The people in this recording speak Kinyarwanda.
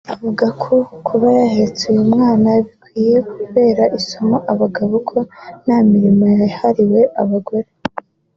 Avuga ko kuba yahetse uyu mwana bikwiye kubera isomo abagabo ko nta mirimo yahariwe abagore